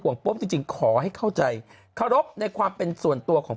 ุงเราจริงขอให้เข้าใจถือขอรบในความเป็นส่วนตัวของ